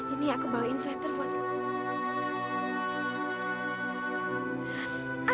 ini aku bawa sweater buat kamu